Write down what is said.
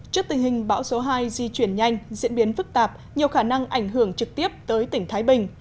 trước tình hình bão số hai di chuyển nhanh diễn biến phức tạp nhiều khả năng ảnh hưởng trực tiếp tới tỉnh thái bình